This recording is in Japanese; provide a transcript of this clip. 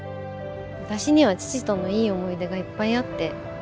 私には父とのいい思い出がいっぱいあって。